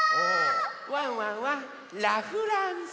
ワンワンはラ・フランス。